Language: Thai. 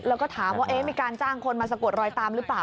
แล้วก็ถามว่ามีการจ้างคนมาสะกดรอยตามหรือเปล่า